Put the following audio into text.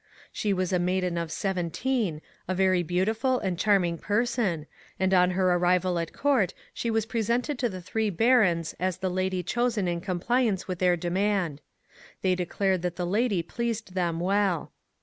She was a maiden of 17, a very beautiful and charming person, and on her arrival at Court she was presented to the three Barons as the Lady chosen in compliance with their demand. They declared that the Lady pleased them well.